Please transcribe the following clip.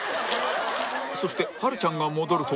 そしてはるちゃんが戻ると